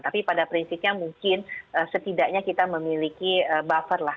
tapi pada prinsipnya mungkin setidaknya kita memiliki buffer lah